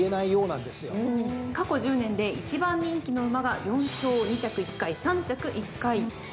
過去１０年で１番人気の馬が４勝２着１回３着１回。